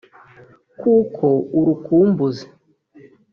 kuko urukumbuzi